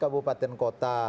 sembilan belas kabupaten kota